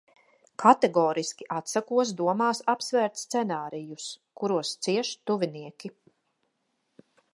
Kategoriski atsakos domās apsvērt scenārijus, kuros cieš tuvinieki.